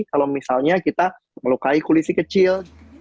kalau misalnya kita melukai kulit si kecil